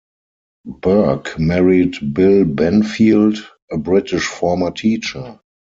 Burke married Bill Benfield, a British former teacher.